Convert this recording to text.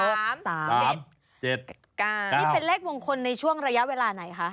นี่เป็นเลขมงคลในช่วงระยะเวลาไหนคะ